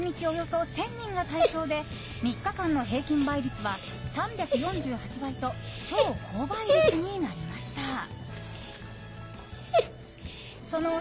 およそ１０００人が対象で３日間の平均倍率は３４８倍と超高倍率になりました。